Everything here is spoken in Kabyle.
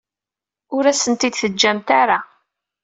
Ur asen-t-id-teǧǧamt ara.